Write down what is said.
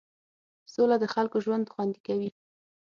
سوله د خلکو ژوند خوندي کوي.